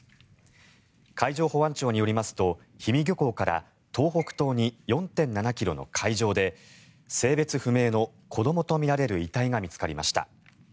海上保安庁によりますと氷見漁港から東北東に４．７ｋｍの海上で性別不明の子どもとみられる遺体が見つかりました。